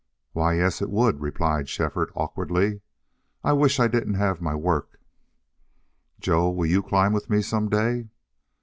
"Why yes it would," replied Shefford, awkwardly. "I wish I didn't have my work." "Joe, will YOU climb with me some day?"